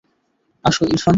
আসো, ইরফান।